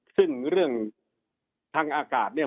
ซึ่งเรื่องทางอากาศเนี่ย